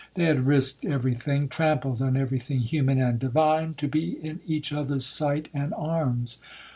They had risked every thing, trampled on every thing human and divine, to be in each others sight and arms.